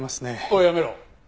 おいやめろ。